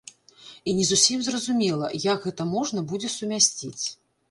І не зусім зразумела, як гэта можна будзе сумясціць.